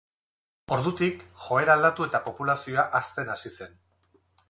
Ordutik, joera aldatu eta populazioa hazten hasi zen.